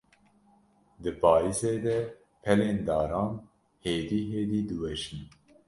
Di payîzê de, pelên daran hêdî hêdî diweşin.